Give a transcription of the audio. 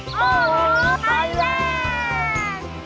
โอ้โหไทยแลนด์